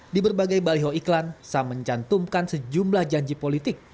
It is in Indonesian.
di berbagai baliho iklan sam mencantumkan sejumlah janji politik